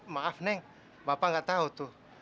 maaf neng bapak nggak tahu tuh